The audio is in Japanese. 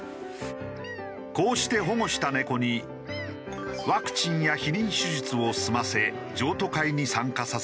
こうして保護した猫にワクチンや避妊手術を済ませ譲渡会に参加させているのだ。